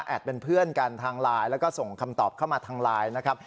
เป็นเพื่อนกันทางไลน์แล้วก็ส่งคำตอบเข้ามาทางไลน์นะครับ